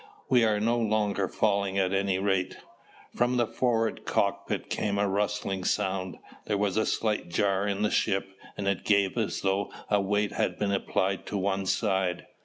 We are no longer falling at any rate." From the forward cockpit came a rustling sound. There was a slight jar in the ship, and it gave as though a weight had been applied to one side.